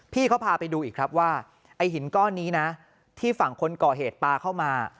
พี่เขาพาไปดูอีกครับว่าไอ้หินก้อนนี้นะที่ฝั่งคนก่อเหตุปลาเข้ามา